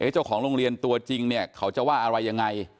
เจ้าของโรงเรียนตัวจริงเนี่ยเขาจะว่าอะไรยังไง